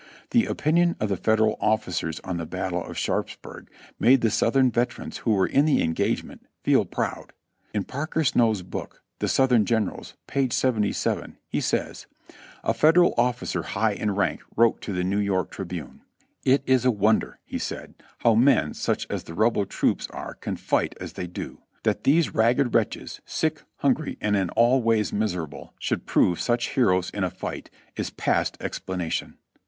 The opinion of the Federal officers on the battle of Sharpsburg made the Southern veterans who were in the engage ment feel proud. In Parker Snow's book, "The Southern Generals," page 'j'j, he says : "A Federal officer high in rank wrote to the New York Tri bune: 'It is a wonder,' he said, 'how men such as the Rebel troops are can fight as they do. That these ragged wretches, sick, hungry and in all ways miserable, should prove such heroes in a fight, is past explanation.'